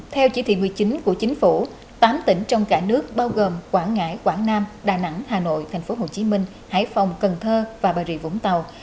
theo chỉ thị một mươi chín của chính phủ tám tỉnh trong cả nước bao gồm quảng ngãi quảng nam đà nẵng hà nội tp hcm hải phòng cần thơ và bà rịa vũng tàu